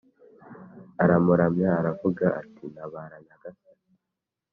aramuramya aravuga ati “Ntabara nyagasani.”